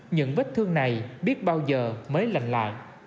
những vết thương này biết bao giờ mới lành lại